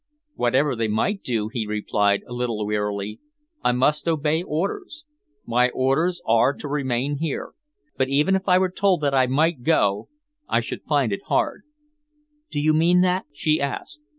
"Whatever they might do," he replied, a little wearily, "I must obey orders. My orders are to remain here, but even if I were told that I might go, I should find it hard." "Do you mean that?" she asked.